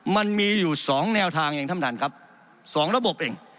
มันมีอยู่สองแนวทางเองท่านประธานครับสองระบบเอง